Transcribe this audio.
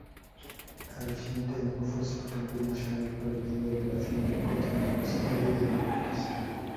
Al siguiente año fue subcampeón nacional, perdiendo la final contra Universitario de Deportes.